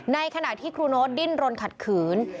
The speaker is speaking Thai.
ในขณะที่ครูโน๊ตดิ้นรนขัดขืน